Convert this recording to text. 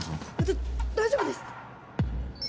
だっ大丈夫です。